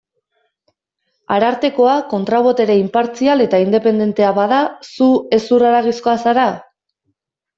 Arartekoa kontra-botere inpartzial eta independentea bada, zu hezur-haragizkoa zara?